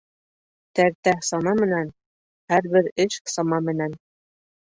Тәртә сана менән, һәр бер эш сама менән.